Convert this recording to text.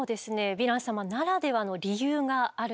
ヴィラン様ならではの理由があるんですね。